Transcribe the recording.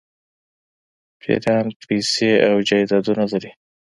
پیران پیسې او جایدادونه لري.